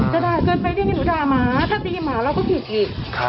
ด่าเกินไปเรื่องนี้หนูด่าหมาถ้าตีหมาเราก็ผิดอีก